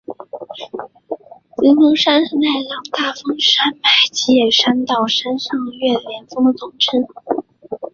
金峰山是奈良县大峰山脉吉野山到山上岳的连峰的总称。